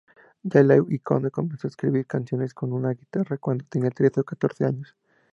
Yelich-O'Connor comenzó a escribir canciones con su guitarra cuando tenía trece o catorce años.